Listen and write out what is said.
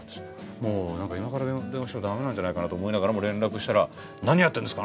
もうなんか今から電話してもダメなんじゃないかなと思いながらも連絡したら「何やってんですか！